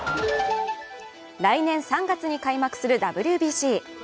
来年３月に開幕するＷＢＣ。